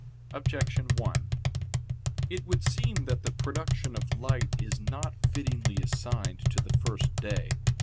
Objection 1: It would seem that the production of light is not fittingly assigned to the first day.